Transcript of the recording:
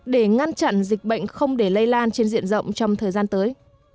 để ngăn chặn dịch bệnh không để lây lan trên diện rộng trong thời gian tới